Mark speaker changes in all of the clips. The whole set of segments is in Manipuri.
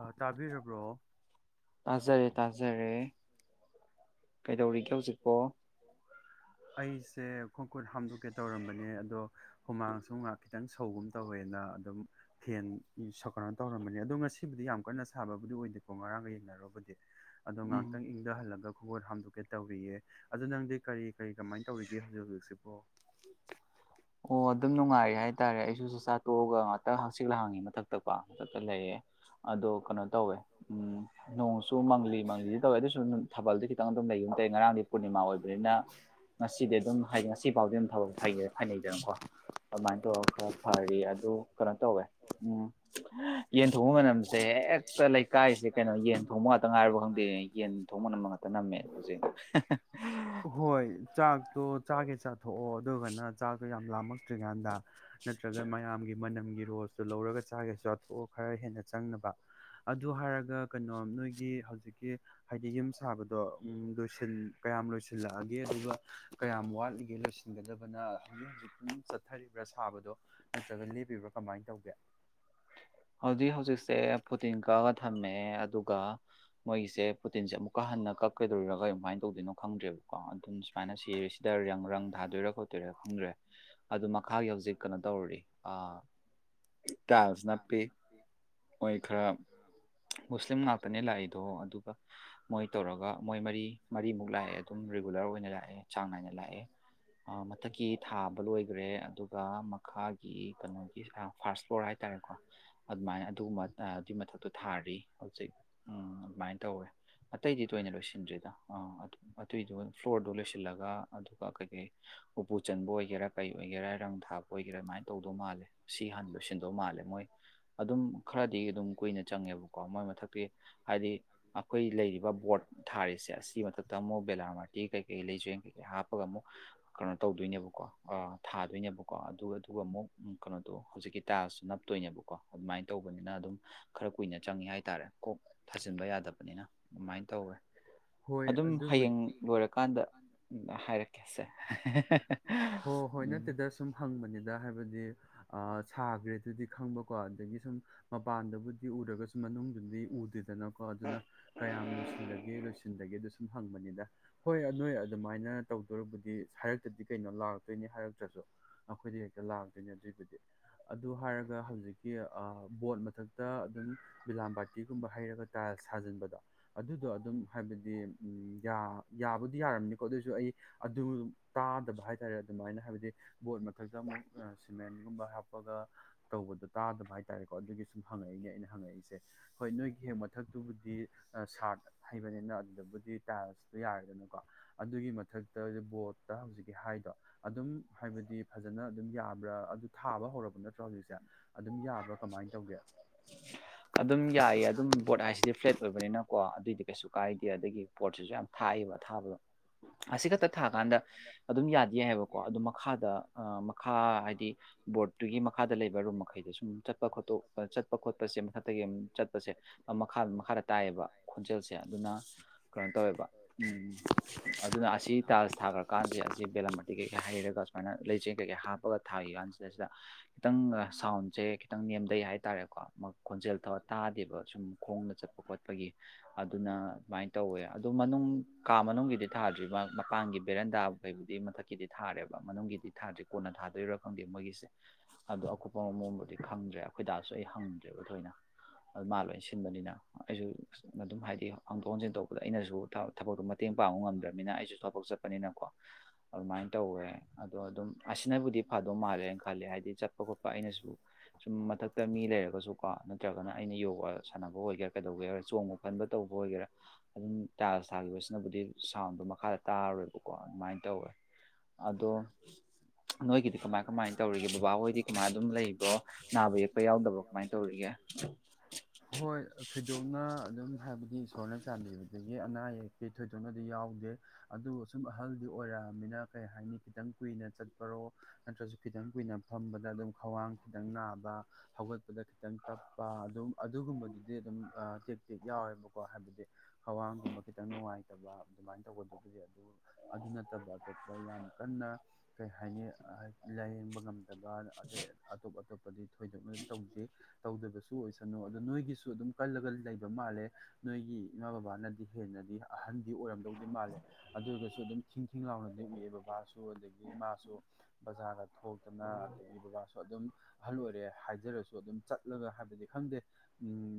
Speaker 1: ꯑꯥ ꯇꯥꯕꯤꯔꯕ꯭ꯔꯣ
Speaker 2: ꯇꯥꯖꯔꯦ ꯇꯥꯖꯔꯦ ꯀꯩꯗꯧꯔꯤꯒꯦ ꯍꯧꯖꯤꯛꯄꯣ
Speaker 1: ꯑꯩꯁꯦ ꯈꯣꯡ ꯈꯨꯠ ꯍꯥꯝꯗꯣꯛꯀꯦ ꯇꯧꯔꯝꯕꯅꯦ ꯑꯗꯣ ꯍꯨꯃꯥꯡꯁꯨ ꯉꯥꯏꯍꯥꯛ ꯈꯤꯇꯪ ꯁꯧꯒꯨꯝ ꯇꯧꯋꯦꯅ ꯑꯗꯨꯝ ꯐꯦꯟ ꯁꯛꯀ ꯇꯧꯔꯝꯕꯅꯤ ꯑꯗꯣ ꯉꯁꯤꯕꯨꯗꯤ ꯌꯥꯝ ꯀꯟꯅ ꯁꯥꯕꯕꯨꯗꯤ ꯑꯣꯏꯗꯦꯀꯣ ꯉꯔꯥꯡꯒ ꯌꯦꯡꯅꯔꯨꯕꯗꯤ ꯑꯗꯣ ꯉꯥꯏꯍꯥꯛꯇꯪ ꯏꯪꯊꯍꯜꯂꯒ ꯈꯣꯡ ꯒꯨꯠ ꯍꯥꯝꯗꯣꯛꯀꯦ ꯇꯧꯔꯤꯌꯦ ꯑꯗꯨꯗ ꯅꯪꯗꯤ ꯀꯔꯤ ꯀꯔꯤ ꯀꯃꯥꯏꯅ ꯇꯧꯔꯤꯒꯦ ꯍꯧꯖꯤꯛ ꯍꯧꯖꯤꯛꯁꯤꯕꯣ
Speaker 2: ꯑꯣ ꯑꯗꯨꯝ ꯅꯨꯡꯉꯥꯏꯔꯦ ꯍꯥꯏꯇꯥꯔꯦ ꯑꯩꯁꯨ ꯆꯥ ꯆꯥꯊꯣꯛꯑꯒ ꯉꯥꯛꯇ ꯍꯪꯆꯤꯛꯂ ꯍꯥꯡꯉꯤ ꯃꯊꯛꯇ [unintelligible] ꯍꯗꯛꯇ ꯂꯩꯌꯦ ꯑꯗꯣ ꯀꯩꯅꯣ ꯇꯧꯋꯦ ꯎꯝ ꯅꯣꯡꯁꯨ ꯃꯪꯂꯤ ꯃꯪꯂꯤꯗꯤ ꯇꯧꯋꯦ ꯑꯗꯨꯁꯨ ꯊꯥꯕꯜꯗꯤ ꯈꯤꯇꯪ ꯑꯗꯨꯝ ꯂꯩꯨꯒꯨꯝ ꯇꯩꯌꯦ ꯉꯔꯥꯡꯗꯤ ꯄꯨꯔꯅꯤꯃꯥ ꯑꯣꯏꯕꯅꯤꯅ ꯉꯁꯤꯗꯤ ꯑꯗꯨꯝ ꯍꯥꯏꯗꯤ ꯉꯁꯤꯐꯥꯎꯗꯤ ꯑꯗꯨꯝ ꯊꯕꯜ ꯐꯥꯈ꯭ꯔꯦ ꯍꯥꯏꯅꯩꯗꯅ ꯑꯗꯨꯃꯥꯏꯅ ꯇꯧꯔꯒ ꯈꯔ ꯐꯔꯤ ꯑꯗꯨ ꯀꯩꯅꯣ ꯇꯧꯋꯦ ꯎꯝ ꯌꯦꯟ ꯊꯣꯡꯕ ꯃꯅꯝꯁꯦ ꯍꯦꯛꯇ ꯂꯩꯀꯥꯏꯁꯦ ꯀꯩꯅꯣ ꯌꯦꯟ ꯊꯣꯡꯕ ꯉꯥꯛꯇ ꯉꯥꯏꯔꯕ ꯈꯪꯗꯦ ꯌꯦꯟ ꯊꯣꯡꯕ ꯃꯅꯝ ꯉꯥꯛꯇ ꯅꯝꯃꯦ ꯍꯧꯖꯤꯛ
Speaker 1: ꯍꯣꯏ ꯆꯥꯛꯇꯣ ꯆꯥꯒꯦ ꯆꯥꯊꯣꯛꯑꯣ ꯑꯗꯨꯒꯒꯅ ꯆꯥꯛꯇꯣ ꯌꯥꯝ ꯂꯥꯝꯃꯛꯇ꯭ꯔꯤꯀꯥꯟꯗ ꯅꯠꯇ꯭ꯔꯒ ꯃꯌꯥꯝꯒꯤ ꯃꯅꯝꯒꯤ ꯔꯣꯁꯇꯨ ꯂꯧꯔꯒ ꯆꯥꯒꯦ ꯆꯥꯊꯣꯛꯑ ꯈꯔ ꯍꯦꯟꯅ ꯆꯪꯅꯕ ꯑꯗꯨ ꯍꯥꯏꯔꯒ ꯀꯩꯅꯣ ꯅꯣꯏꯒꯤ ꯍꯧꯖꯤꯛꯀꯤ ꯍꯥꯏꯗꯤ ꯌꯨꯝ ꯁꯥꯕꯗꯣ ꯎꯝ ꯂꯣꯏꯁꯤꯟ ꯀꯌꯥꯝ ꯂꯣꯏꯁꯤꯜꯂꯛꯑꯒꯦ ꯑꯗꯨꯒ ꯀꯌꯥꯝ ꯋꯥꯠꯂꯤꯒꯦ ꯂꯣꯏꯁꯤꯟꯒꯗꯕꯅ ꯍꯧꯖꯤꯛ ꯍꯧꯖꯤꯛ ꯁꯨꯝ ꯆꯠꯊꯔꯤꯕ꯭ꯔꯥ ꯁꯥꯕꯗꯣ ꯅꯠꯇ꯭ꯔꯒ ꯂꯦꯞꯄꯤꯕ꯭ꯔꯥ ꯀꯃꯥꯏꯅ ꯇꯧꯒꯦ
Speaker 2: ꯍꯧꯖꯤꯛ ꯍꯧꯖꯤꯛꯁꯦ ꯐꯨꯇꯤꯟ ꯀꯛꯑꯒ ꯊꯝꯃꯦ ꯑꯗꯨꯒ ꯃꯣꯏꯒꯤꯁꯦ ꯐꯨꯇꯤꯟꯁꯦ ꯑꯃꯨꯛꯀ ꯍꯟꯅ ꯀꯛꯀꯗꯧꯔ ꯀꯃꯥꯏꯅ ꯇꯧꯗꯣꯏꯅꯣ ꯈꯪꯗ꯭ꯔꯦꯕꯀꯣ ꯑꯗꯨꯝ ꯁꯨꯃꯥꯏꯅ ꯁꯤꯔꯤꯁꯤꯗ ꯔꯪ ꯔꯪ ꯊꯥꯗꯣꯏꯔꯥ ꯈꯣꯠꯇꯣꯏꯔꯥ ꯈꯪꯗ꯭ꯔꯦ ꯑꯗꯨ ꯃꯈꯥꯒꯤ ꯍꯧꯖꯤꯛ ꯀꯩꯅꯣ ꯇꯧꯔꯤ ꯇꯥꯏꯜꯁ ꯅꯞ ꯄꯤ ꯑꯣꯏ ꯈꯔ ꯃꯨꯁꯂꯤꯝ ꯉꯥꯛꯇꯅꯦ ꯂꯥꯛꯏꯗꯣ ꯑꯗꯨꯒ ꯃꯣꯏ ꯇꯧꯔꯒ ꯃꯣꯏ ꯃꯔꯤ ꯃꯔꯤꯃꯨꯛ ꯂꯥꯛꯑꯦ ꯑꯗꯨꯝ ꯔꯤꯒꯨꯂꯔ ꯑꯣꯏꯅ ꯂꯥꯛꯑꯦ ꯆꯥꯡ ꯅꯥꯏꯅ ꯂꯥꯛꯑꯦ ꯃꯊꯛꯀꯤ ꯊꯥꯕ ꯂꯣꯏꯈ꯭ꯔꯦ ꯑꯗꯨꯒ ꯃꯈꯥꯒꯤ ꯀꯩꯅꯣꯒꯤ ꯐꯥꯔꯁ ꯐ꯭ꯂꯣꯔ ꯍꯥꯏꯇꯥꯔꯦꯀꯣ ꯑꯗꯨꯃꯥꯏꯅ ꯑꯗꯨꯒꯨꯝꯕ ꯑꯗꯨꯏ ꯃꯊꯛꯇꯣ ꯊꯥꯔꯤ ꯍꯧꯖꯤꯛ ꯑꯗꯨꯃꯥꯏꯅ ꯇꯧꯋꯦ ꯑꯇꯩꯗꯤ ꯇꯣꯏꯅ ꯂꯣꯏꯁꯤꯟꯗ꯭ꯔꯤꯗ ꯑꯥ ꯑꯗꯨꯏꯗꯨꯣ ꯐ꯭ꯂꯣꯔꯗꯣ ꯂꯣꯏꯁꯤꯜꯂꯒ ꯑꯗꯨꯒ ꯀꯩꯀꯩ ꯎꯄꯨ ꯆꯟꯕ ꯑꯣꯏꯒꯦꯔꯥ ꯀꯩ ꯑꯣꯏꯒꯦꯔꯥ ꯔꯪ ꯊꯥꯞꯄ ꯑꯣꯏꯒꯦꯔꯥ ꯑꯗꯨꯃꯥꯏꯅ ꯇꯧꯗꯧ ꯃꯥꯜꯂꯦ ꯁꯤ ꯍꯥꯟꯅ ꯂꯣꯏꯁꯤꯟꯗꯧ ꯃꯥꯜꯂꯦ ꯃꯣꯏ ꯑꯗꯨꯝ ꯈꯔꯗꯤ ꯑꯗꯨꯝ ꯀꯨꯏꯅ ꯆꯪꯉꯦꯕꯀꯣ ꯃꯣꯏ ꯃꯊꯛꯇꯤ ꯍꯥꯏꯗꯤ ꯑꯩꯈꯣꯏ ꯂꯩꯔꯤꯕ ꯕꯣꯔꯠ ꯊꯥꯔꯤꯁꯦ ꯑꯁꯤꯒꯤ ꯃꯊꯛꯇ ꯑꯃꯨꯛ ꯕꯦꯂꯥꯔꯃꯥꯔ ꯇ ꯀꯩ ꯀꯩ ꯂꯩꯖꯣꯏ ꯀꯩꯀꯩ ꯍꯥꯞꯄꯒ ꯑꯃꯨꯛ ꯀꯩꯅꯣ ꯇꯧꯗꯣꯏꯅꯦꯕꯀꯣ ꯊꯥꯗꯣꯏꯅꯦꯕꯀꯣ ꯑꯗꯨꯒ ꯑꯗꯨꯒ ꯑꯃꯨꯛ ꯀꯩꯅꯣꯗꯣ ꯍꯧꯖꯤꯛꯀꯤ ꯇꯥꯏꯂꯁꯨ ꯅꯞꯇꯣꯏꯅꯦꯕ ꯑꯗꯨꯃꯥꯏꯅ ꯇꯧꯕꯅꯤꯅ ꯑꯗꯨꯝ ꯈꯔ ꯀꯨꯏꯅ ꯆꯪꯉꯤ ꯍꯥꯏꯇꯥꯔꯦ ꯀꯣꯛ ꯊꯥꯖꯤꯟꯕ ꯌꯥꯗꯕꯅꯤꯅ ꯑꯗꯨꯃꯥꯏꯅ ꯇꯧꯋꯦ ꯑꯗꯨꯝ ꯍꯌꯦꯡ ꯂꯣꯏꯔꯀꯥꯟꯗ ꯍꯥꯏꯔꯛꯀꯦꯁꯦ
Speaker 1: ꯍꯣꯏ ꯍꯣꯏ ꯅꯠꯇꯦꯗ ꯁꯨꯝ ꯍꯪꯕꯅꯤꯗ ꯍꯥꯏꯕꯗꯤ ꯑꯥ ꯁꯥꯈ꯭ꯔꯦ ꯑꯗꯨꯗꯤ ꯈꯪꯕꯀꯣ ꯑꯗꯒꯤ ꯁꯨꯝ ꯃꯄꯥꯟꯗꯕꯨꯗꯤ ꯎꯔꯒꯁꯨ ꯃꯅꯨꯡꯗꯨꯗꯤ ꯎꯗꯦ [unintelligible] ꯑꯗꯨꯅ ꯀꯌꯥꯝ ꯂꯣꯏꯁꯤꯂꯒꯦ ꯂꯣꯏꯁꯤꯟꯗꯒꯦ ꯁꯨꯝ ꯍꯪꯕꯅꯤꯗ ꯍꯣꯏ ꯅꯣꯏ ꯑꯗꯨꯃꯥꯏꯅ ꯇꯧꯗꯣꯔꯕꯨꯗꯤ ꯍꯦ ꯇꯗꯤ ꯀꯩꯅꯣ ꯂꯥꯛꯇꯣꯏꯅꯤ ꯍꯥꯏꯔꯛꯇ꯭ꯔꯁꯨ ꯑꯩꯈꯣꯏꯗꯤ ꯍꯦꯛꯇ ꯂꯥꯛꯇꯣꯏꯅꯦ ꯑꯗꯨꯏꯕꯨꯗꯤ ꯑꯗꯨ ꯍꯥꯏꯔꯒ ꯍꯧꯖꯤꯛꯀꯤ ꯕꯣꯠ ꯃꯊꯛꯇ ꯑꯗꯨꯝ ꯕꯤꯂꯥꯝ ꯕꯥꯇꯤꯒꯨꯝꯕ ꯍꯩꯔꯒ ꯇꯥꯏꯜꯁ ꯊꯥꯖꯤꯟꯕꯗ ꯑꯗꯨꯗꯣ ꯑꯗꯨꯝ ꯍꯥꯏꯕꯗꯤ ꯎꯝ ꯌꯥꯕꯨꯗꯤ ꯌꯥꯔꯝꯅꯤꯀꯣ ꯑꯗꯨꯑꯣꯁꯨ ꯑꯩ ꯑꯗꯨ ꯇꯥꯗꯕ ꯍꯥꯏꯇꯥꯔꯦ ꯑꯗꯨꯃꯥꯏꯅ ꯍꯥꯏꯕꯗꯤ ꯕꯣꯠ ꯃꯊꯛꯇ ꯑꯃꯨꯛ ꯁꯤꯃꯦꯟꯒꯨꯝꯕ ꯍꯥꯞꯄꯒ ꯇꯧꯕꯗꯣ ꯇꯥꯗꯕ ꯍꯥꯏꯇꯥꯔꯦꯀꯣ ꯑꯗꯨꯒꯤ ꯁꯨꯝ ꯍꯪꯉꯛꯏꯅꯦ ꯑꯩꯅ ꯍꯪꯉꯛꯏꯁꯦ ꯍꯣꯏ ꯅꯣꯏꯒꯤ ꯍꯦꯛ ꯃꯊꯛꯇꯨꯕꯨꯗꯤ ꯑ ꯁꯥꯔꯇ ꯍꯩꯕꯅꯤꯅ ꯑꯗꯨꯗꯕꯨꯗꯤ ꯇꯥꯏꯜꯁꯇꯣ ꯌꯥꯔꯦꯗꯅꯀꯣ ꯑꯗꯨꯒꯤ ꯃꯊꯛꯇ ꯕꯣꯔꯠ ꯄ꯭ꯔ ꯍꯧꯖꯤꯛꯀꯤ ꯍꯥꯏꯗꯣ ꯑꯗꯨꯝ ꯍꯥꯏꯕꯗꯤ ꯐꯖꯅ ꯑꯗꯨꯝ ꯌꯥꯕ꯭ꯔꯥ ꯑꯗꯨ ꯊꯥꯕ ꯍꯧꯔꯕ ꯅꯠꯇ꯭ꯔꯣ ꯍꯧꯖꯤꯛꯁꯦ ꯑꯗꯨꯝ ꯌꯥꯕ꯭ꯔꯥ ꯀꯃꯥꯏ ꯇꯧꯒꯦ
Speaker 2: ꯑꯗꯨꯝ ꯌꯥꯏꯌꯦ ꯑꯗꯨꯝ ꯕꯣꯔꯠ ꯍꯥꯏꯁꯤꯗꯤ ꯐ꯭ꯂꯦꯠ ꯑꯣꯏꯕꯅꯤꯅꯀꯣ ꯑꯗꯨꯏꯗꯤ ꯀꯩꯁꯨ ꯀꯥꯏꯗꯦ ꯑꯗꯒꯤ ꯄꯣꯠꯁꯤꯁꯨ ꯌꯥꯝ ꯊꯥꯏꯌꯦꯕ ꯊꯥꯕꯗꯣ ꯑꯁꯤ ꯈꯛꯇ ꯊꯥꯀꯥꯟꯗ ꯑꯗꯨꯝ ꯌꯥꯗꯤ ꯌꯥꯏ ꯍꯥꯏꯕꯀꯣ ꯑꯗꯨ ꯃꯈꯥꯗ ꯃꯈꯥ ꯍꯥꯏꯗꯤ ꯕꯣꯔꯠ ꯑꯗꯨꯒꯤ ꯃꯈꯥꯗ ꯂꯩꯕ ꯔꯨꯝ ꯃꯈꯩꯗ ꯁꯨꯝ ꯆꯠꯄ ꯈꯣꯠꯇꯣꯛꯄ ꯆꯠꯄ ꯈꯣꯠꯄꯁꯦ ꯃꯊꯛꯇꯒꯤ ꯌꯦꯡ ꯆꯠꯄꯁꯦ ꯃꯈꯥꯗ ꯃꯈꯥꯗ ꯇꯥꯏꯌꯦꯕ ꯈꯣꯟꯖꯦꯜꯁꯦ ꯑꯗꯨꯅ ꯀꯩꯅꯣ ꯇꯧꯋꯦꯕ ꯎꯝ ꯑꯗꯨꯅ ꯑꯁꯤ ꯇꯥꯥꯏꯜꯁ ꯊꯥꯈ꯭ꯔꯀꯥꯟꯁꯦ ꯑꯁꯤ ꯕꯦꯜꯂꯥꯝ ꯇꯤ ꯀꯩꯀꯩ ꯍꯩꯔꯒ ꯁꯨꯃꯥꯏꯅ ꯂꯩꯖꯦꯡ ꯀꯩꯀꯩ ꯍꯥꯞꯄꯒ ꯊꯥꯈꯤ ꯀꯥꯟꯁꯤꯗ ꯁꯤꯗ ꯈꯤꯇꯪ ꯁꯥꯎꯟꯁꯦ ꯈꯤꯇꯪ ꯅꯦꯝꯊꯩ ꯍꯥꯏꯇꯥꯔꯦꯀꯣ ꯈꯣꯟꯖꯦꯜ ꯊꯣꯠ ꯇꯥꯗꯦꯕ ꯁꯨꯝ ꯈꯣꯡꯅ ꯆꯠꯄ ꯈꯣꯠꯄꯒꯤ ꯑꯗꯨꯅ ꯃꯥꯏ ꯇꯧꯋꯦ ꯑꯗꯣ ꯃꯅꯨꯡ ꯀꯥ ꯃꯅꯨꯡꯒꯤꯗꯤ ꯊꯥꯗ꯭ꯔꯤꯕ ꯃꯄꯥꯟꯒꯤ ꯕꯦꯔꯦꯟꯗꯥꯈꯩꯕꯨꯗꯤ ꯃꯊꯛꯀꯤꯗꯤ ꯊꯥꯔꯦꯕ ꯃꯅꯨꯡꯒꯤꯗꯤ ꯊꯥꯗ꯭ꯔꯤ ꯀꯣꯟꯅ ꯊꯥꯗꯣꯏꯔꯥ ꯈꯪꯗꯦ ꯃꯣꯏꯒꯤꯁꯦ ꯑꯣ ꯑꯀꯨꯞꯄ ꯃꯑꯣꯡꯕꯨꯗꯤ ꯈꯪꯗ꯭ꯔꯦ ꯑꯩꯈꯣꯏꯗꯥꯁꯨ ꯑꯩ ꯍꯪꯗ꯭ꯔꯦꯕ ꯊꯣꯏꯅ ꯑ ꯃꯥ ꯂꯣꯏ ꯁꯤꯟꯕꯅꯤꯅ ꯑꯩꯁꯨ ꯑꯗꯨꯝ ꯍꯥꯏꯗꯤ ꯍꯥꯡꯗꯣꯛ ꯍꯟꯖꯤꯟ ꯇꯧꯕꯗ ꯑꯩꯅꯁꯨ ꯊꯕꯛꯇꯣ ꯃꯇꯦꯡ ꯄꯥꯡꯕ ꯉꯝꯗ꯭ꯔꯃꯤꯅ ꯑꯩꯁꯨ ꯊꯕꯛ ꯆꯠꯄꯅꯤꯅꯀꯣ ꯑꯗꯨꯃꯥꯏꯅ ꯇꯧꯋꯦ ꯑꯗꯣ ꯑꯗꯨꯝ ꯑꯁꯤꯅꯕꯨꯗꯤ ꯐꯗꯧ ꯃꯥꯜꯂꯦ ꯈꯜꯂꯤ ꯍꯥꯏꯗꯤ ꯆꯠꯄ ꯈꯣꯠꯄ ꯑꯩꯅꯁꯨ ꯁꯨꯝ ꯃꯊꯛꯇ ꯃꯤ ꯂꯩꯔꯒꯁꯨꯀꯣ ꯅꯠꯇ꯭ꯔꯒꯅ ꯑꯩꯅ ꯌꯣꯒꯥ ꯁꯥꯟꯅꯕ ꯑꯣꯏꯒꯦꯔꯥ ꯀꯩꯗꯧꯒꯦꯔꯥ ꯆꯣꯡꯉꯨ ꯊꯟꯗ ꯇꯧꯕ ꯑꯣꯏꯒꯦꯔꯥ ꯑꯗꯨꯝ ꯇꯥꯏꯜꯁ ꯊꯥꯈꯤꯕꯁꯤꯅꯕꯨꯗꯤ ꯁꯥꯎꯟꯗꯣ ꯃꯈꯥꯗ ꯇꯥꯔꯔꯣꯏꯕꯀꯣ ꯑꯗꯨꯃꯥꯏꯅ ꯇꯧꯋꯦ ꯑꯗꯣ ꯅꯣꯏꯒꯤꯗꯤ ꯀꯃꯥꯏ ꯀꯃꯥꯏꯅ ꯇꯧꯔꯤꯒꯦ ꯕꯕꯥꯍꯣꯏꯗꯤ ꯀꯃꯥꯏꯅ ꯑꯗꯨꯝ ꯂꯩ ꯕ꯭ꯔꯣ ꯅꯥꯕ ꯌꯦꯛꯄ ꯌꯥꯎꯗꯕ꯭ꯔꯣ ꯀꯃꯥꯏꯅ ꯇꯧꯔꯤꯒꯦ
Speaker 1: ꯍꯣꯏ ꯊꯣꯏꯗꯣꯛꯅ ꯑꯗꯨꯝ ꯍꯥꯏꯕꯗꯤ ꯏꯁꯣꯔꯅ ꯆꯥꯟꯕꯤꯕꯗꯒꯤ ꯑꯅꯥ ꯑꯌꯦꯛꯇꯤ ꯊꯣꯏꯗꯣꯛꯅꯗꯤ ꯌꯥꯎꯗꯦ ꯑꯗꯨ ꯁꯨꯝ ꯑꯍꯜꯗꯤ ꯑꯣꯏꯔꯛꯑꯃꯤꯅ ꯀꯩ ꯍꯥꯏꯅꯤ ꯈꯤꯇꯪ ꯀꯨꯏꯅ ꯆꯠꯄꯔꯣ ꯅꯠꯇ꯭ꯔꯁꯨ ꯈꯤꯇꯪ ꯀꯨꯏꯅ ꯐꯝꯕꯗ ꯑꯗꯨꯝ ꯈ꯭ꯋꯥꯡ ꯈꯤꯇꯪ ꯅꯥꯕ ꯍꯧꯒꯠꯄꯗ ꯈꯤꯇꯪ ꯇꯞꯄ ꯑꯗꯨꯝ ꯑꯗꯨꯒꯨꯝꯕꯗꯨꯗꯤ ꯑꯗꯨꯝ ꯇꯦꯛ ꯇꯦꯛ ꯌꯥꯎꯋꯦꯕꯀꯣ ꯍꯥꯏꯕꯗꯤ ꯍꯋꯥꯡꯒꯨꯝꯕ ꯈꯤꯇꯪ ꯅꯨꯡꯉꯥꯏꯇꯕ ꯑꯗꯨꯃꯥꯏꯅ ꯇꯧꯕꯗꯨꯕꯨꯗꯤ ꯑꯗꯨ ꯑꯗꯨ ꯅꯠꯇꯕ ꯑꯇꯣꯞꯄ ꯌꯥꯝ ꯀꯟꯅ ꯀꯩ ꯍꯥꯏꯅꯤ ꯂꯥꯏꯌꯦꯡꯕ ꯉꯝꯗꯕ ꯑꯗꯩ ꯑꯇꯣꯞ ꯑꯇꯣꯞꯄꯗꯤ ꯊꯣꯏꯗꯣꯛꯅ ꯇꯧꯗꯦ ꯇꯧꯗꯕꯁꯨ ꯑꯣꯏꯁꯅꯨ ꯑꯗꯣ ꯅꯣꯏꯒꯤꯁꯨ ꯑꯗꯨꯝ ꯀꯜꯂꯒ ꯂꯩꯕ ꯃꯥꯜꯂꯦ ꯅꯣꯏꯒꯤ ꯏꯃꯥ ꯕꯕꯥꯅꯗꯤ ꯍꯦꯟꯅꯗꯤ ꯑꯍꯟꯗꯤ ꯑꯣꯏꯔꯝꯗꯧꯗꯤ ꯃꯥꯜꯂꯦ ꯑꯗꯨ ꯑꯣꯏꯔꯒꯁꯨ ꯑꯗꯨꯝ ꯈꯤꯡ ꯈꯤꯡ ꯂꯥꯎꯅ ꯂꯦꯞꯂꯤꯌꯦ ꯕꯕꯥꯁꯨ ꯑꯗꯒꯤ ꯏꯃꯥꯁꯨ ꯕꯖꯥꯔꯗ ꯊꯣꯛꯇꯅ ꯑꯗꯒꯤ ꯕꯕꯥꯁꯨ ꯑꯗꯨꯝ ꯑꯍꯜ ꯑꯣꯏꯔꯦ ꯍꯥꯏꯖꯔꯁꯨ ꯑꯗꯨꯝ ꯆꯠꯂꯒ ꯍꯥꯏꯕꯗꯤ ꯈꯪꯗꯦ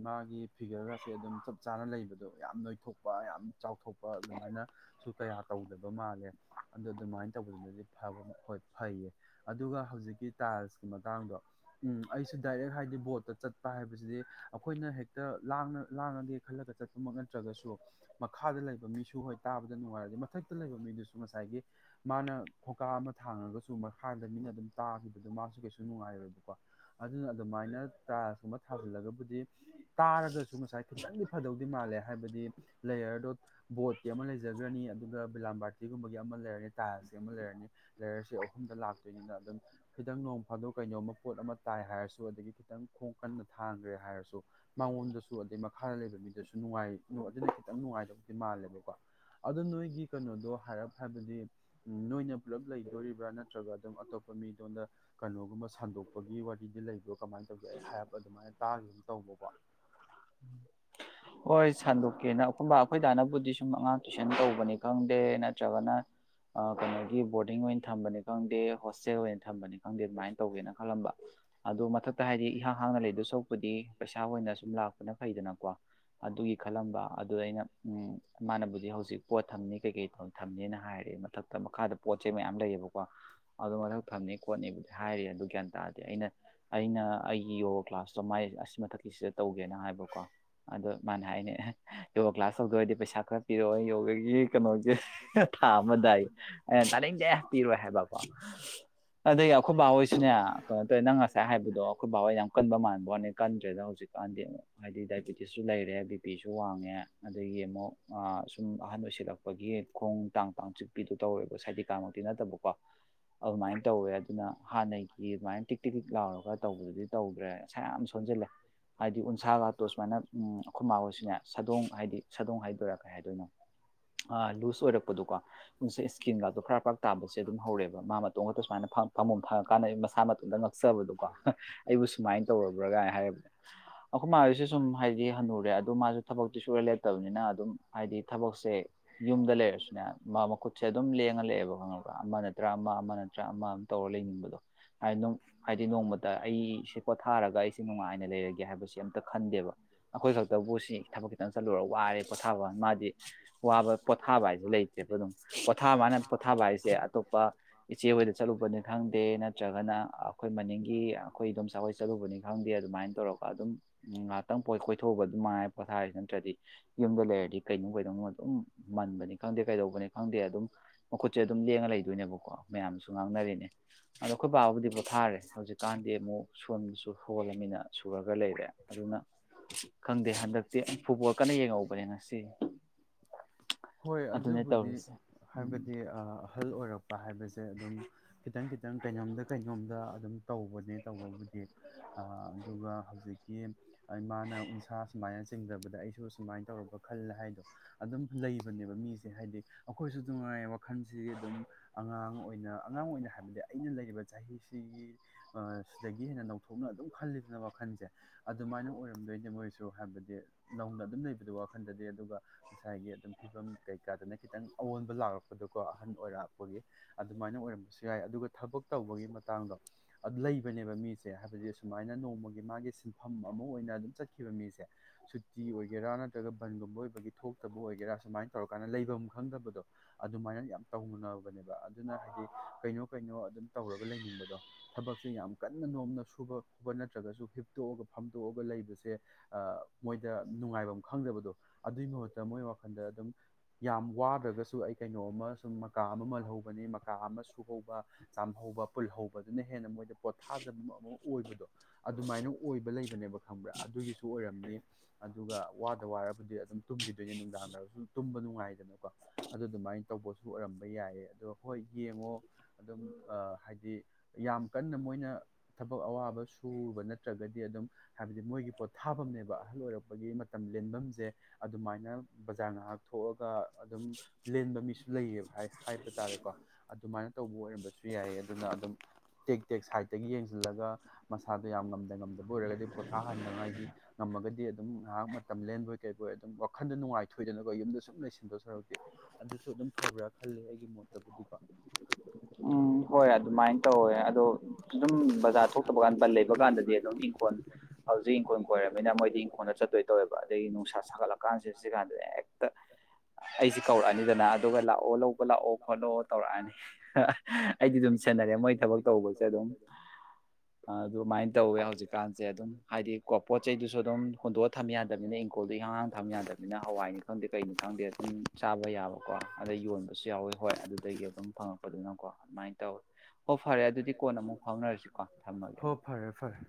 Speaker 1: ꯃꯥꯒꯤ ꯐꯤꯒꯔꯒꯁꯦ ꯑꯗꯨꯝ ꯆꯞ ꯆꯥꯅ ꯂꯩꯕꯗꯣ ꯌꯥꯝ ꯅꯣꯏꯊꯣꯛꯄ ꯌꯥꯝ ꯆꯥꯎꯊꯣꯛꯄ ꯑꯗꯨꯃꯥꯏꯅ ꯁꯨ ꯀꯌꯥ ꯇꯧꯗꯕ ꯃꯥꯜꯂꯦ ꯑꯗꯨ ꯑꯗꯨꯃꯥꯏꯅ ꯇꯧꯕꯗꯨꯅꯗꯤ ꯐꯕ ꯍꯣꯏ ꯐꯩꯌꯦ ꯑꯗꯨꯒ ꯍꯧꯖꯤꯛꯀꯤ ꯇꯥꯏꯜꯁꯀꯤ ꯃꯇꯥꯡꯗꯣ ꯎꯝ ꯑꯩꯁꯨ ꯗꯥꯏꯔꯦꯛ ꯍꯥꯏꯗꯤ ꯕꯣꯠꯇ ꯆꯠꯄ ꯍꯥꯏꯕꯁꯤꯗꯤ ꯑꯩꯈꯣꯏꯅ ꯍꯦꯛꯇ ꯂꯥꯡꯅ ꯂꯥꯡꯉꯒꯦ ꯈꯜꯂꯒ ꯆꯠ ꯗꯨꯃꯛ ꯅꯠꯇ꯭ꯔꯒꯁꯨ ꯃꯈꯥꯗ ꯂꯩꯕ ꯃꯤꯁꯨ ꯍꯣꯏ ꯇꯥꯕꯗ ꯅꯨꯡꯉꯥꯏꯔꯗꯤ ꯃꯊꯛꯇ ꯂꯩꯕ ꯃꯤꯗꯨꯁꯨ ꯉꯁꯥꯏꯒꯤ ꯃꯥꯅ ꯈꯣꯡꯀꯥꯞ ꯑꯃ ꯊꯥꯡꯉꯒꯁꯨ ꯃꯈꯥꯗ ꯃꯤꯅ ꯑꯗꯨꯝ ꯇꯥꯈꯤꯕꯗꯣ ꯃꯥꯁꯨ ꯀꯩꯁꯨ ꯅꯨꯡꯉꯥꯏꯔꯣꯏꯕꯀꯣ ꯑꯗꯨꯅ ꯑꯗꯨꯃꯥꯏꯅ ꯇꯥꯏꯜꯁꯀꯨꯝꯕ ꯊꯥꯖꯤꯜꯂꯒꯕꯨꯗꯤ ꯇꯥꯔꯒꯁꯨ ꯉꯁꯥꯏ ꯈꯤꯇꯪꯗꯤ ꯐꯗꯧꯗꯤ ꯃꯥꯜꯂꯦ ꯍꯥꯏꯕꯗꯤ ꯂꯦꯌꯔꯗꯣ ꯕꯣꯠꯀꯤ ꯑꯃ ꯂꯩꯖꯒ꯭ꯔꯅꯤ ꯑꯗꯨꯒ ꯕꯤꯂꯥꯝꯕꯥꯔꯇꯤꯒꯨꯝꯕꯒꯤ ꯑꯃ ꯂꯩꯔꯅꯤ ꯇꯥꯏꯜꯀꯤ ꯑꯃ ꯂꯩꯔꯅꯤ ꯂꯥꯏꯌꯔꯁꯦ ꯑꯍꯨꯝꯗ ꯂꯥꯛꯇꯣꯏꯅꯤꯅ ꯑꯗꯨꯝ ꯈꯤꯇꯪ ꯅꯣꯡ ꯐꯥꯗꯣꯛ ꯀꯩꯅꯣꯝꯃ ꯄꯣꯠ ꯑꯃ ꯇꯥꯏ ꯍꯥꯏꯔꯁꯨ ꯑꯗꯒꯤ ꯈꯤꯇꯪ ꯈꯣꯡ ꯀꯟꯅ ꯊꯥꯡꯒ꯭ꯔꯦ ꯍꯥꯏꯔꯁꯨ ꯃꯉꯣꯟꯗꯁꯨ ꯑꯗꯩ ꯃꯈꯥꯗ ꯂꯩꯕ ꯃꯤꯗꯁꯨ ꯅꯨꯡꯉꯥꯏ ꯑꯗꯨꯗꯤ ꯈꯤꯇꯪ ꯅꯨꯡꯉꯥꯏꯗꯧꯗꯤ ꯃꯥꯜꯂꯦꯕꯀꯣ ꯑꯗꯣ ꯅꯣꯏꯒꯤ ꯀꯩꯅꯣꯗꯣ ꯍꯥꯏꯔꯞ ꯍꯥꯏꯕꯗꯤ ꯎꯝ ꯅꯣꯏꯅ ꯄꯨꯂꯞ ꯂꯩꯗꯣꯔꯤꯕ꯭ꯔꯥ ꯅꯠꯇ꯭ꯔꯒ ꯑꯗꯨꯝ ꯑꯇꯣꯞꯄ ꯃꯤꯗꯣꯟꯗ ꯀꯩꯅꯣꯒꯨꯝꯕ ꯁꯟꯗꯣꯛꯄꯒꯤ ꯋꯥꯔꯤꯗꯤ ꯂꯩꯕ꯭ꯔꯣ ꯀꯃꯥꯏꯅ ꯇꯧꯒꯦ ꯑꯩ ꯍꯥꯏꯔꯞ ꯑꯗꯨꯃꯥꯏꯅ ꯇꯥꯒꯤꯒꯨꯝ ꯇꯧꯕꯀꯣ
Speaker 2: ꯍꯣꯏ ꯁꯟꯗꯣꯛꯀꯦꯅ ꯑꯈꯣꯏꯃꯥ ꯑꯈꯣꯏꯗꯥꯅꯕꯨꯗꯤ ꯁꯨꯝ ꯑꯉꯥꯡ ꯇꯨꯏꯁꯟ ꯇꯧꯕꯅꯤ ꯈꯪꯗꯦ ꯅꯠꯇ꯭ꯔꯒꯅ ꯑ ꯀꯩꯅꯣꯒꯤ ꯕꯣꯔꯗꯤꯡ ꯑꯣꯏꯅ ꯊꯝꯕꯅꯤ ꯈꯪꯗꯦ ꯍꯣꯁꯇꯦꯜ ꯑꯣꯏꯅ ꯊꯝꯕꯅꯤ ꯈꯪꯗꯦ ꯑꯗꯨꯃꯥꯏꯅ ꯇꯧꯒꯦꯅ ꯈꯜꯂꯝꯕ ꯑꯗꯣ ꯃꯊꯛꯇ ꯍꯥꯏꯗꯤ ꯏꯍꯥꯡ ꯍꯥꯡꯅ ꯂꯩꯗꯧ ꯁꯔꯨꯛꯄꯨꯗꯤ ꯄꯩꯁꯥ ꯑꯣꯏꯅ ꯁꯨꯝ ꯂꯥꯛꯄꯅ ꯐꯩꯗꯅꯀꯣ ꯑꯗꯨꯒꯤ ꯈꯜꯂꯝꯕ ꯑꯗꯨꯗ ꯑꯩꯅ ꯎꯝ ꯃꯥꯅꯕꯨꯗꯤ ꯍꯧꯖꯤꯛ ꯄꯣꯠ ꯊꯝꯅꯤ ꯀꯩꯀꯩ ꯊꯝꯅꯤꯅ ꯍꯥꯏꯔꯦ ꯃꯊꯛꯇ ꯃꯈꯥꯗ ꯄꯣꯠ ꯆꯩꯩ ꯃꯌꯥꯝ ꯂꯩꯌꯦꯕꯀꯣ ꯑꯗꯣ ꯃꯊꯛ ꯊꯝꯅꯤ ꯈꯣꯠꯅꯤꯕꯨꯗꯤ ꯍꯥꯏꯔꯤ ꯑꯗꯨ ꯒ꯭ꯌꯥꯟ ꯇꯥꯗꯦ ꯑꯩꯅ ꯑꯩꯅ ꯑꯩꯒꯤ ꯌꯣꯒ ꯀ꯭ꯂꯥꯁꯇꯣ ꯃꯥꯏ ꯑꯁꯤ ꯃꯊꯛꯀꯤꯁꯤꯗ ꯇꯧꯒꯦꯅ ꯍꯥꯏꯕꯀꯣ ꯑꯗ ꯃꯥꯅ ꯍꯥꯏꯅꯦ ꯌꯣꯒꯥ ꯀ꯭ꯂꯥꯁ ꯍꯧꯗꯣꯏ ꯑꯣꯏꯗꯤ ꯄꯩꯁꯥ ꯈꯔ ꯄꯤꯔꯛꯑꯣ ꯌꯣꯒꯒꯤ ꯀꯩꯅꯣꯖꯦ ꯊꯥ ꯑꯃꯗꯌꯦ ꯑꯩꯅ ꯇꯥꯅꯤꯡꯗꯦ ꯄꯤꯔꯣꯏ ꯍꯥꯏꯕ ꯀꯣ ꯑꯗꯒꯤ ꯑꯩꯈꯣꯏ ꯕꯥꯍꯣꯏꯁꯨꯅꯦ ꯀꯩꯅꯣ ꯇꯧꯋꯦ ꯅꯪ ꯉꯁꯥꯏ ꯍꯥꯏꯕꯗꯣ ꯑꯩꯈꯣꯏ ꯕꯥꯍꯣꯏ ꯌꯥꯝ ꯀꯟꯕ ꯃꯥꯟꯕꯋꯥꯅꯦ ꯀꯟꯗ꯭ꯔꯦꯗ ꯍꯧꯖꯤꯛ ꯀꯥꯟꯗꯦ ꯍꯥꯏꯗꯤ ꯗꯥꯏꯕꯦꯇꯤꯁꯁꯨ ꯂꯩꯔꯦ ꯕꯤ ꯄꯤꯁꯨ ꯋꯥꯡꯉꯦ ꯑꯗꯒꯤ ꯑꯃꯨꯛ ꯑ ꯁꯨꯝ ꯑꯍꯟ ꯑꯣꯏꯁꯤꯜꯂꯛꯄꯒꯤ ꯈꯣꯡ ꯇꯥꯡ ꯇꯥꯡ ꯆꯤꯛ ꯄꯤꯗꯨ ꯇꯧꯋꯦꯕ ꯁꯥꯏꯗꯤꯀꯥꯃꯛꯇꯤ ꯅꯠꯇꯕꯀꯣ ꯑꯗꯨꯃꯥꯏꯅ ꯇꯧꯋꯦ ꯑꯗꯨꯅ ꯍꯥꯟꯅꯒꯤ ꯑꯗꯨꯃꯥꯏꯅ ꯇꯤꯛ ꯇꯤꯛ ꯂꯥꯎꯔꯒ ꯇꯧꯕꯗꯨꯗꯤ ꯇꯧꯗ꯭ꯔꯦ ꯁꯥ ꯌꯥꯝ ꯁꯣꯟꯖꯤꯜꯂꯦ ꯍꯥꯏꯗꯤ ꯎꯟꯁꯥ ꯒꯥꯇꯣ ꯁꯨꯃꯥꯏꯅ ꯎꯝ ꯃꯥꯍꯣꯁꯨꯅꯦ ꯁꯥꯗꯣꯡ ꯍꯥꯏꯗꯤ ꯁꯥꯗꯣꯡ ꯍꯥꯏꯗꯣꯏꯔꯥ ꯀꯩ ꯍꯥꯏꯗꯣꯏꯅꯣ ꯑ ꯂꯨꯖ ꯑꯣꯏꯔꯛꯄꯗꯨꯀꯣ ꯎꯟꯁ ꯏꯁꯀꯤꯟ ꯀꯥꯇꯣ ꯐꯔꯥ ꯐꯔꯥꯛꯛ ꯇꯥꯕꯁꯦ ꯑꯗꯨꯝ ꯍꯧꯔꯦꯕ ꯃꯥ ꯃꯇꯣꯈꯇ ꯁꯨꯃꯥꯛꯏꯅ ꯐꯝ ꯐꯝꯃꯣ ꯐꯪꯉꯀꯥꯟꯗ ꯃꯁꯥ ꯃꯇꯣꯗ ꯑꯛ ꯉꯛꯆꯕꯗꯣ ꯀꯣ ꯍ ꯑꯩꯕꯨ ꯁꯨꯃꯥꯏꯅ ꯇꯧꯔꯕ꯭ꯔꯥ ꯒꯥꯏꯅ ꯍꯥꯏꯔꯛꯄ ꯑꯩꯈꯣꯏ ꯃꯥꯁꯦ ꯁꯨꯝ ꯍꯥꯏꯗꯤ ꯍꯅꯨ ꯔꯦ ꯑꯗꯨ ꯃꯥꯁꯨ ꯊꯕꯛꯇꯤ ꯁꯨꯡꯂꯦꯞ ꯃꯦꯞꯇꯕꯅꯤꯅ ꯑꯗꯨꯝ ꯍꯥꯏꯗꯤ ꯊꯕꯛꯁꯦ ꯌꯨꯝꯗ ꯂꯩꯔꯁꯨꯅꯦ ꯃꯥ ꯃꯈꯨꯠꯁꯦ ꯑꯗꯨꯝ ꯂꯦꯡꯉ ꯂꯩꯌꯦꯕ ꯈꯪꯉꯕ꯭ꯔꯥ ꯑꯃꯅ ꯅꯇ꯭ꯔꯥ ꯑꯃ ꯑꯃ ꯅꯠꯇ꯭ꯔꯥ ꯑꯃ ꯑꯃꯝ ꯇꯧꯔ ꯂꯩꯅꯤꯡꯕꯗꯣ ꯍꯥꯏ ꯅꯣꯡ ꯍꯥꯏꯗꯤ ꯅꯣꯡꯃꯇ ꯑꯩꯁꯦ ꯄꯣꯊꯥꯔꯒ ꯑꯩꯁꯦ ꯅꯨꯡꯉꯥꯏꯅ ꯂꯩꯔꯒꯦ ꯍꯥꯏꯕꯁꯦ ꯑꯝ ꯈꯟꯗꯦꯕ ꯑꯩꯈꯣꯏ ꯈꯛ ꯇꯧꯕꯨ ꯁꯤ ꯊꯕꯛ ꯈꯤꯇꯪ ꯆꯠꯂꯨꯔꯒ ꯋꯥꯔꯦ ꯄꯣꯊꯥꯕ ꯃꯥꯗꯤ ꯋꯥꯕ ꯄꯣꯊꯥꯕ ꯍꯥꯏꯁꯦ ꯂꯩ ꯇꯦꯕꯗꯨꯝ ꯄꯣꯊꯥꯕ ꯍꯥꯏꯅ ꯄꯣꯊꯥꯕ ꯍꯥꯏꯁꯦ ꯑꯇꯣꯞꯄ ꯏꯆꯦ ꯍꯣꯏꯗ ꯆꯠꯂꯨꯕꯅꯤ ꯈꯪꯗꯦ ꯅꯠꯇ꯭ꯔꯒꯅ ꯈꯣꯏ ꯃꯅꯤꯡꯒꯤ ꯑꯩꯈꯣꯏ ꯏꯗꯣꯝꯆꯥꯍꯣꯏ ꯆꯠꯂꯨꯕꯅꯤ ꯈꯪꯗꯦ ꯑꯗꯨꯃꯥꯏꯅ ꯇꯧꯔꯒ ꯑꯗꯨꯝ ꯉꯥꯛꯇꯪ ꯄꯣꯏ ꯀꯣꯏꯊꯣꯛ ꯃꯥꯏ ꯄꯣꯊꯥꯔꯤ ꯅꯠꯇ꯭ꯔꯗꯤ ꯌꯨꯝꯗ ꯂꯩꯔꯗꯤ ꯀꯩꯅꯣ ꯀꯩꯅꯣ ꯗꯨꯝ ꯃꯟꯕꯅꯤ ꯈꯪꯗꯦ ꯀꯩꯗꯧꯕꯅꯤ ꯈꯪꯗꯦ ꯑꯗꯨꯝ ꯃꯈꯨꯠꯁꯦ ꯑꯗꯨꯝ ꯂꯦꯡꯉ ꯂꯩꯗꯣꯏꯅꯦꯕꯀꯣ ꯃꯌꯥꯝꯁꯨ ꯉꯥꯡꯅꯔꯤꯅꯦ꯫ ꯑꯗꯣ ꯑꯈꯣꯏ ꯕꯥꯕꯨꯗꯤ ꯄꯣꯊꯥꯔꯦ ꯍꯧꯖꯤꯛꯀꯥꯟꯗꯤ ꯑꯃꯨꯛ ꯁꯣꯟꯕꯁꯨ ꯁꯣꯜꯂꯃꯤꯅ ꯁꯨꯔꯒꯒ ꯂꯩꯔꯦ ꯑꯗꯨꯅ ꯈꯪꯗꯦ ꯍꯟꯗꯛꯇꯤ ꯐꯨꯠꯕꯣꯜ ꯀꯟꯅ ꯌꯦꯡꯍꯧꯕꯅꯦ ꯉꯁꯤ
Speaker 1: ꯍꯣꯏ ꯑꯗꯨꯕꯨꯗꯤ ꯍꯥꯏꯕꯗꯤ ꯑꯍꯜ ꯑꯣꯏꯔꯛꯄ ꯍꯥꯏꯕꯁꯦ ꯑꯗꯨꯝ ꯈꯤꯇꯪ ꯈꯤꯇꯪ ꯀꯩꯅꯣꯝꯗ ꯀꯩꯅꯣꯝꯗ ꯑꯗꯨꯝ ꯇꯧꯕꯅꯦ ꯇꯧꯕꯕꯨꯗꯤ ꯑ ꯑꯗꯨꯒ ꯍꯧꯖꯤꯛꯀꯤ ꯏꯃꯥꯅ ꯎꯟꯁꯥ ꯁꯨꯃꯥꯏꯅ ꯆꯤꯡꯗꯕꯗ ꯑꯩꯁꯨ ꯁꯨꯃꯥꯏꯟ ꯇꯧꯔ‌ꯄ ꯈꯜꯂꯦ ꯍꯥꯏꯗꯣ ꯑꯗꯨꯝ ꯂꯩꯕꯅꯦꯕ ꯃꯤꯁꯦ ꯍꯥꯏꯗꯤ ꯑꯈꯣꯏꯁꯨ ꯑꯗꯨ ꯉꯥꯏꯔꯦ ꯋꯥꯈꯟꯁꯤ ꯑꯗꯨꯝ__ ꯑꯉꯥꯡ ꯑꯣꯏꯅ ꯑꯉꯥꯡ ꯑꯣꯏꯅ ꯍꯥꯏꯕꯗꯤ ꯑꯩꯅ ꯂꯩꯔꯤꯕ ꯆꯍꯤꯁꯤꯒꯤ ꯁꯤꯗꯒꯤ ꯍꯦꯟꯅ ꯅꯧꯊꯣꯛꯅ ꯑꯗꯨꯝ ꯈꯜꯂꯤꯗꯅ ꯋꯥꯈꯟꯖꯦ ꯑꯗꯨꯃꯥꯏꯅ ꯑꯣꯏꯔꯝꯗꯣꯏꯅꯦ ꯃꯣꯏ ꯁꯨ ꯍꯥꯏꯕꯗꯤ ꯅꯧꯅ ꯑꯗꯨꯝ ꯂꯩꯕꯗꯨ ꯋꯥꯈꯟꯗꯗꯤ ꯑꯗꯨꯒ ꯉꯁꯥꯏꯒꯤ ꯑꯗꯨꯝ ꯐꯤꯕꯝ ꯀꯩꯀꯥꯗꯅ ꯈꯤꯇꯪ ꯑꯋꯣꯟꯕ ꯂꯥꯛꯄꯗꯣꯀꯣ ꯑꯍꯟ ꯑꯣꯏꯔꯛꯄꯒꯤ ꯑꯗꯨꯃꯥꯏꯅ ꯑꯣꯏꯔꯝꯕꯁꯨ ꯌꯥꯏ ꯑꯗꯨꯒ ꯊꯕꯛ ꯇꯧꯕꯒꯤ ꯃꯇꯥꯡꯗꯣ__ ꯑꯗꯨ ꯂꯩꯕꯅꯦꯕ ꯃꯤꯁꯦ ꯍꯥꯏꯕꯗꯤ ꯑꯁꯨꯃꯥꯏꯅ ꯅꯣꯡꯃꯒꯤ ꯃꯥꯒꯤ ꯁꯤꯟꯐꯝ ꯑꯃ ꯑꯣꯏꯅ ꯑꯗꯨꯝ ꯆꯠ ꯈꯤꯕ ꯃꯤꯁꯦ ꯁꯨꯇꯤ ꯑꯣꯏꯒꯦꯔꯥ ꯅꯠꯇ꯭ꯔꯒ ꯕꯟꯒꯨꯝꯕ ꯑꯣꯏꯕꯒꯤ ꯊꯣꯛꯇꯕ ꯑꯣꯏꯒꯦꯔꯥ ꯁꯨꯃꯥꯏꯟ ꯇꯧꯔꯀꯥꯟꯗ ꯂꯩꯕꯝ ꯈꯪꯗꯕꯗꯣ ꯑꯗꯨꯃꯥꯏꯅ ꯌꯥꯝ ꯇꯧꯅꯅꯕꯅꯦꯕ ꯑꯗꯨꯅ ꯍꯥꯏꯗꯤ ꯀꯩꯅꯣ ꯀꯩꯅꯣ ꯑꯗꯨꯝ ꯇꯧꯔꯒ ꯂꯩꯅꯤꯡꯕꯗꯣ꯫ ꯊꯕꯛꯁꯦ ꯌꯥꯝ ꯀꯟꯅ ꯅꯣꯝꯅ ꯁꯨꯕ ꯄ ꯅꯠꯇ꯭ꯔꯒꯖꯨ ꯍꯤꯞꯇꯣꯛꯑꯒ ꯐꯝꯗꯣꯛꯑꯒ ꯂꯩꯕꯁꯦ ꯑ ꯃꯣꯏꯗ ꯅꯨꯡꯉꯥꯏꯕꯝ ꯈꯪꯗꯕꯗꯣ ꯑꯗꯨꯏ ꯃꯍꯨꯠꯇ ꯃꯣꯏ ꯋꯥꯈꯟꯗ ꯑꯗꯨꯝ ꯌꯥꯝ ꯋꯥꯗ꯭ꯔꯒꯁꯨ ꯑꯩ ꯀꯩꯅꯣꯝꯃ ꯁꯨꯝ ꯃꯀꯥ ꯑꯃ ꯃꯜꯍꯧꯕꯅꯦ ꯃꯀꯥ ꯑꯃ ꯁꯨꯍꯧꯕ ꯆꯥꯝꯍꯧꯕ ꯄꯨꯜꯍꯧꯕꯗꯨꯅ ꯍꯦꯟꯅ ꯃꯣꯏꯗ ꯄꯣꯊꯥꯖꯕ ꯑꯃ ꯑꯣꯏꯕꯗꯣ ꯑꯗꯨꯃꯥꯏꯅ ꯑꯣꯏꯕ ꯂꯩꯕꯅꯦꯕ ꯈꯪꯕ꯭ꯔꯥ ꯑꯗꯨꯏꯒꯤꯁꯨ ꯑꯣꯏꯔꯝꯅꯤ ꯑꯗꯨꯒ ꯋꯥꯗ ꯋꯥꯔꯕꯨꯗꯤ ꯑꯗꯨꯝ ꯇꯨꯝꯒꯤꯗꯣꯏꯅꯦ ꯅꯨꯡꯗꯥꯡꯗꯁꯨ ꯇꯨꯝꯕ ꯅꯨꯡꯉꯥꯏꯗꯅꯀꯣ ꯑꯗꯨ ꯗꯨꯃꯥꯏꯟ ꯇꯧꯕꯁꯨ ꯑꯣꯏꯔꯝꯕ ꯌꯥꯏꯌꯦ ꯑꯗꯣ ꯍꯣꯏ ꯌꯦꯡꯉꯣ ꯑꯗꯨꯝ ꯑꯥ ꯍꯥꯏꯗꯤ ꯌꯥꯝ ꯀꯟꯅ ꯃꯣꯏꯅ ꯊꯕꯛ ꯑꯋꯥꯕ ꯁꯨꯕ ꯅꯠꯇ꯭ꯔꯒꯗꯤ ꯑꯗꯨꯝ ꯍꯥꯏꯕꯗꯤ ꯊꯥꯕꯝꯅꯦꯕ ꯑꯍꯜ ꯑꯣꯏꯔꯛꯄꯒꯤ ꯃꯠ ꯇꯝ ꯂꯦꯟꯕꯝꯖꯦ ꯑꯗꯨꯃꯥꯏꯅ ꯕꯖꯥꯔ ꯉꯥꯍꯛ ꯊꯣꯛꯑꯒ ꯑꯗꯨꯝ ꯂꯦꯟꯕ ꯃꯤꯁꯨ ꯂꯩꯌꯦ ꯍꯥꯏ ꯍꯥꯏꯕ ꯇꯥꯔꯦꯀꯣ ꯑꯗꯨꯃꯥꯏꯅ ꯇꯧꯕ ꯑꯣꯏꯔꯝꯕꯁꯨ ꯌꯥꯏꯌꯦ ꯑꯗꯨꯅ ꯑꯗꯨꯝ ꯇꯦꯛ ꯇꯦꯛ ꯁꯥꯏꯠꯇꯒꯤ ꯌꯦꯡꯖꯤꯜꯂꯒ ꯃꯁꯥꯗꯣ ꯌꯥꯝ ꯉꯝꯗ ꯉꯝꯗꯕ ꯑꯣꯏꯔꯒꯗꯤ ꯄꯣꯊꯥꯍꯟꯅꯉꯥꯏꯒꯤ ꯉꯝꯃꯒꯗꯤ ꯑꯗꯨꯝ ꯉꯥꯍꯥꯛ ꯃꯇꯝ ꯂꯦꯟꯕꯣꯏ ꯀꯩꯕꯣꯏ ꯑꯗꯨꯝ ꯋꯥꯈꯟꯗ ꯅꯨꯡꯉꯥꯏꯊꯣꯛꯏꯗꯅꯀꯣ ꯌꯨꯝꯗ ꯁꯨꯝ ꯂꯩꯁꯤꯟꯗꯧ ꯁꯔꯨꯛꯇꯤ ꯑꯗꯨꯁꯨ ꯑꯗꯨꯝ ꯐꯕ꯭ꯔꯥ ꯈꯜꯂꯦ ꯑꯩꯒꯤ ꯃꯣꯠꯇꯕꯨꯗꯤꯀꯣ
Speaker 2: ꯎꯝ ꯍꯣꯏ ꯑꯗꯨꯃꯥꯏꯟ ꯇꯧꯋꯦ ꯑꯗꯣ ꯑꯗꯨꯝ ꯕꯖꯥꯔ ꯊꯣꯛꯇꯕ ꯀꯥꯟ ꯕꯟ ꯂꯩꯕ ꯀꯥꯟꯗꯗꯤ ꯑꯗꯨꯝ ꯏꯪ ꯍꯣꯟ ꯍꯧꯖꯤꯛ ꯏꯪꯈꯣꯜ ꯀꯣꯏꯔꯝꯅꯤꯅ ꯃꯣꯏꯗꯤ ꯏꯪꯈꯣꯜꯗ ꯆꯠꯇꯣꯏ ꯇꯧꯋꯦꯕ ꯑꯗꯩꯏ ꯅꯨꯡꯁꯥ ꯁꯥꯒꯠꯂꯀꯥꯟꯁꯤ ꯁꯤꯛ ꯀꯥꯟꯗ ꯍꯦꯛꯇ ꯑꯩꯖꯦ ꯀꯧꯔꯛꯑꯅꯤꯗꯅ ꯑꯗꯨꯒ ꯂꯥꯛꯑꯣ ꯂꯧꯕ ꯂꯥꯛꯑꯣ ꯈꯣꯠꯂꯣ ꯇꯧꯔꯛꯑꯅꯤ ꯑꯩꯗꯤ ꯑꯗꯨꯝ ꯆꯦꯟꯅꯔꯦ ꯃꯣꯏ ꯊꯕꯛ ꯇꯧꯕꯁꯦ ꯑꯗꯨꯝ ꯑ ꯑꯗꯨꯃꯥꯏꯟ ꯇꯧꯋꯦ ꯍꯧꯖꯤꯛꯀꯥꯟꯁꯦ ꯑꯗꯨꯝ ꯍꯥꯏꯗꯤ ꯀꯣ ꯄꯣꯠ ꯆꯩꯗꯨꯁꯨ ꯑꯗꯨꯝ ꯍꯨꯟꯗꯣꯛꯑ ꯊꯝꯃꯤ ꯌꯥꯗꯝꯅꯤꯅ ꯏꯪꯈꯣꯜꯗꯣ ꯏꯍꯥꯡ ꯍꯥꯡ ꯊꯝ ꯌꯥꯗꯝꯅꯤꯅ ꯍꯋꯥꯏꯅꯤ ꯈꯪꯗꯦ ꯀꯩꯅꯤ ꯈꯪꯗꯦ ꯑꯗꯨꯝ ꯆꯥꯕ ꯌꯥꯕꯀꯣ ꯑꯗꯩ ꯌꯣꯟꯕꯁꯨ ꯌꯥꯎꯋꯤ ꯍꯣꯏ ꯑꯗꯨꯗꯩꯒꯤ ꯑꯗꯨꯝ ꯐꯪꯉꯛꯄꯗꯨꯅꯀꯣ ꯑꯗꯨꯃꯥꯏꯟ ꯇꯧꯋꯦ ꯍꯣ ꯐꯔꯦ ꯑꯗꯨꯗꯤ ꯀꯣꯟꯅ ꯑꯃꯨꯛ ꯐꯥꯎꯅꯔꯁꯤꯀꯣ ꯊꯝꯃꯒꯦ
Speaker 1: ꯐꯔꯦ